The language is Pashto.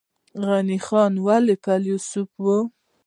غني خان ولې فلسفي و؟